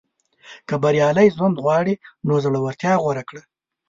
• که بریالی ژوند غواړې، نو زړورتیا غوره کړه.